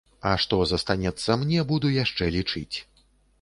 А што застанецца мне, буду яшчэ лічыць.